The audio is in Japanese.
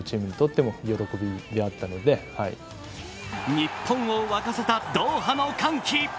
日本を沸かせたドーハの歓喜。